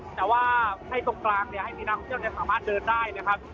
แต่ว่าในตรงกลางนี่ให้มีนักเที่ยวที่สามารถเดินได้นะครับ